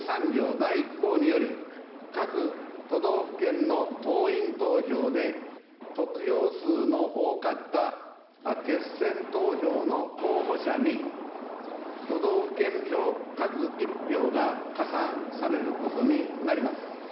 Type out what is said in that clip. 第１項により、各都道府県の党員投票で、得票数の多かった決選投票の候補者に、都道府県票各１票が加算されることになります。